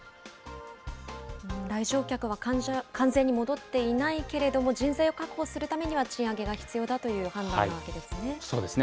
来場客は完全に戻っていないけれども、人材を確保するためには賃上げが必要だという判断なわそうですね。